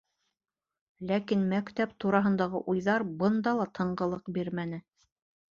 Ләкин мәктәп тураһындағы уйҙар бында ла тынғылыҡ бирмәне: